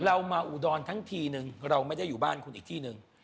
เรามาอุดรทั้งทีนึงเราไม่ได้อยู่บ้านคุณอีกที่หนึ่ง